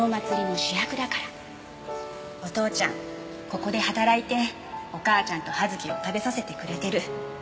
ここで働いてお母ちゃんと葉月を食べさせてくれてる。